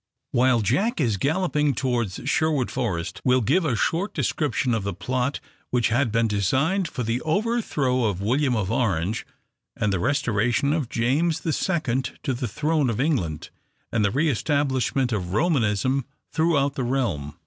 While Jack is galloping towards Sherwood Forest, we will give a short description of the plot which had been designed for the overthrow of William of Orange and the restoration of James the Second to the throne of England, and the re establishment of Romanism throughout the realm.